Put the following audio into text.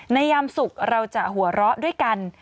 ยามสุขเราจะหัวเราะด้วยกัน